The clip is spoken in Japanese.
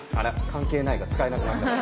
「関係ない」が使えなくなったな。